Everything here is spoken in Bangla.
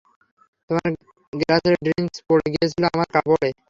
তোমার গ্লাসের ড্রিংক্স পড়ে গিয়েছিল আমার কাপড়ে।